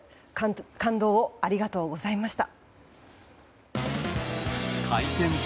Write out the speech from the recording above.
感動をありがとうございました。